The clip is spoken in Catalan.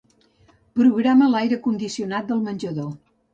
Programa l'aire condicionat del menjador.